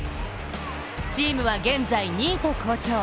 チームは現在２位と好調。